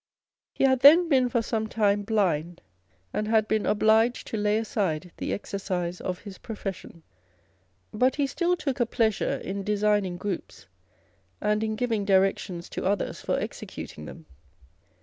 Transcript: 1 He had then been for some tjme blind, and had been obliged to lay aside the exercise of his profession ; but he still took a pleasure in designing groups, and in giving directions to others for He and Northcote made a remarkable executing them.